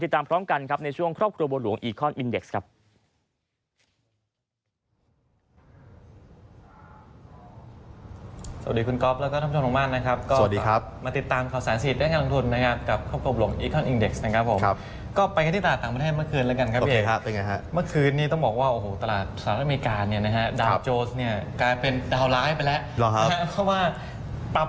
ตามพร้อมกันครับในช่วงครอบครัวบัวหลวงอีคอนอินเด็กซ์ครับ